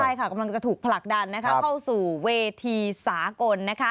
ใช่ค่ะกำลังจะถูกผลักดันเข้าสู่เวทีสากลนะคะ